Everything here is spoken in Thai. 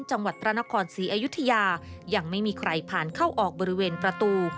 จังหวัดพระนครศรีอยุธยายังไม่มีใครผ่านเข้าออกบริเวณประตู